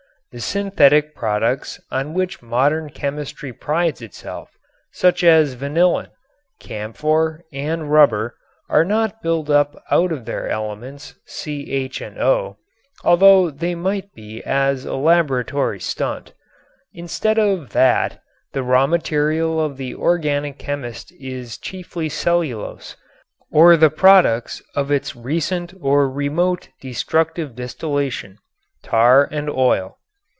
The synthetic products on which modern chemistry prides itself, such as vanillin, camphor and rubber, are not built up out of their elements, C, H and O, although they might be as a laboratory stunt. Instead of that the raw material of the organic chemist is chiefly cellulose, or the products of its recent or remote destructive distillation, tar and oil.